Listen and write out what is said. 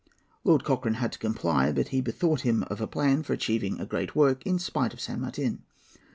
Lord Cochrane had to comply; but he bethought him of a plan for achieving a great work, in spite of San Martin.